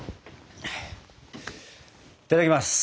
いただきます。